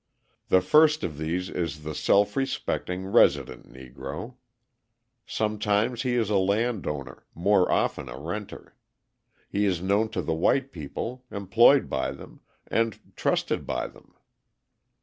The first of these is the self respecting, resident Negro. Sometimes he is a land owner, more often a renter; he is known to the white people, employed by them, and trusted by them.